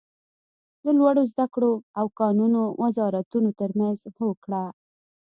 د لوړو ذده کړو او کانونو وزارتونو تر مینځ هوکړه